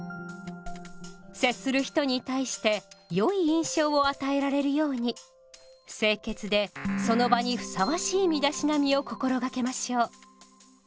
接する人に対してよい印象を与えられるように清潔でその場にふさわしい身だしなみを心がけましょう。